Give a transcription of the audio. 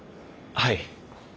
はい。